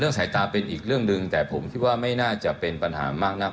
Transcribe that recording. สายตาเป็นอีกเรื่องหนึ่งแต่ผมคิดว่าไม่น่าจะเป็นปัญหามากนัก